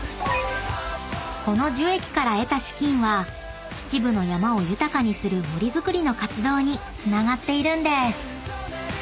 ［この樹液から得た資金は秩父の山を豊かにする森づくりの活動につながっているんです］